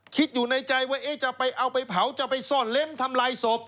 คิดอยู่ในใจว่าจะไปเอาไปเผาจะไปซ่อนเล้นทำลายศพ